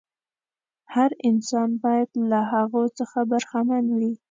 هر انسان باید له هغو څخه برخمن وي.